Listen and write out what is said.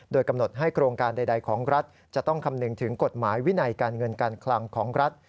โดยกำหนดให้โครงการใดของรัฐจะต้องคำนึงถึงกฎหมายวินัยการเงินการคลังของรัฐ